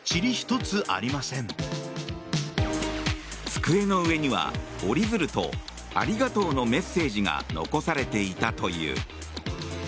机の上には、折り鶴と「ありがとう」のメッセージが残されていたという。